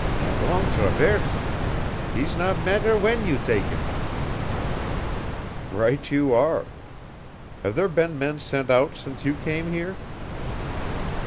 "La Longue Traverse hees not mattaire w'en yo tak' heem." "Right you are. Have there been men sent out since you came here?"